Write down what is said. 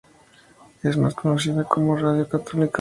Es más conocida como Radio Católica.